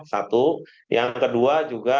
satu yang kedua juga